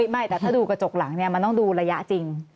ไม่แต่ถ้าดูกระจกหลังเนี่ยมันต้องดูระยะจริง